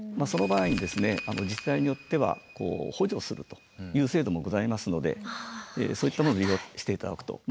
その場合に自治体によっては補助するという制度もございますのでそういったものを利用して頂くと。